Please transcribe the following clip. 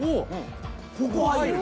ここ入る？